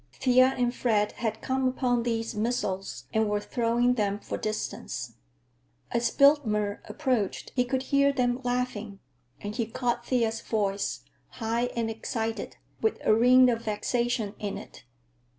Thea and Fred had come upon these missiles and were throwing them for distance. As Biltmer approached he could hear them laughing, and he caught Thea's voice, high and excited, with a ring of vexation in it.